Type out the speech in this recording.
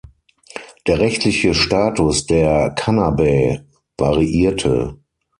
Der rechtliche Status der "canabae" variierte.